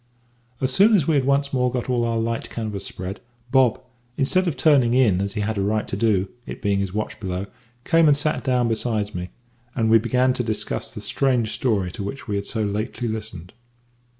As soon as we had once more got all our light canvas spread, Bob, instead of turning in as he had a right to do, it being his watch below, came and sat down beside me, and we began to discuss the strange story to which we had so lately listened.